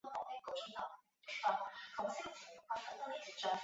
我们现在就将科技纳入故事之中。